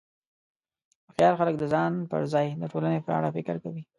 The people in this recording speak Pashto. هوښیار خلک د ځان پر ځای د ټولنې په اړه فکر کوي.